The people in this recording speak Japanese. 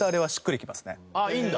いいんだ？